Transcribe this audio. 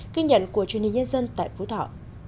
ghi nhận của truyền hình nhân dân tại phú thọ